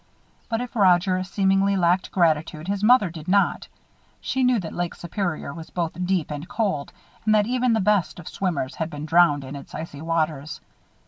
But if Roger seemingly lacked gratitude, his mother did not. She knew that Lake Superior was both deep and cold and that even the best of swimmers had been drowned in its icy waters.